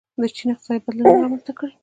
چین اقتصادي بدلونونه رامنځته کړي.